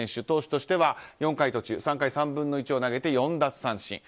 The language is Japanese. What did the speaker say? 投手としては４回途中３回３分の１を投げて４奪三振。